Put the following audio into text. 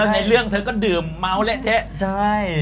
ในเรื่องเธอก็ดื่มเมาส์เละเทะใช่